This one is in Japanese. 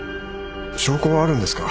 証拠はあるんですか？